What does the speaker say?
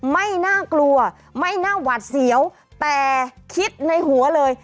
ไม่น่ากลัวไม่น่าหวัดเสียวแต่คิดในหัวเลย